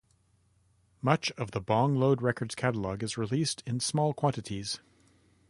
Much of the Bong Load Records catalog is released in small quantities.